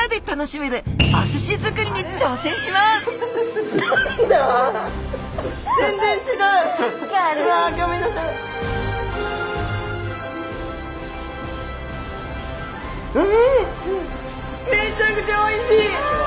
めちゃくちゃおいしい！